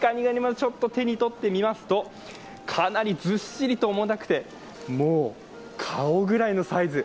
ちょっと手にとってみますと、かなりずっしりと重たくてもう顔くらいのサイズ。